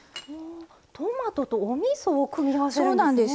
トマトとおみそを組み合わせるんですね。